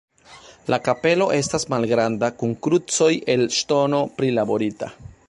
La kapelo estas malgranda kun krucoj el ŝtono prilaborita.